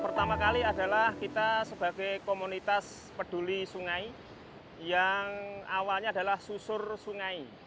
pertama kali adalah kita sebagai komunitas peduli sungai yang awalnya adalah susur sungai